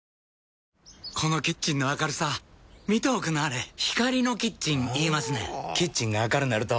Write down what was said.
このキッチンの明るさ見ておくんなはれ光のキッチン言いますねんほぉキッチンが明るなると・・・